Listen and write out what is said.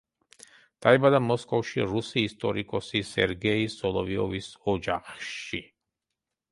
დაიბადა მოსკოვში რუსი ისტორიკოსი სერგეი სოლოვიოვის ოჯახში.